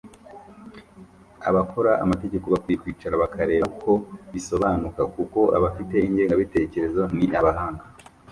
Abakora amategeko bakwiye kwicara bakareba uko bisobanuka kuko abafite ingengabitekerezo ni abahanga